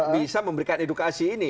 bisa memberikan edukasi ini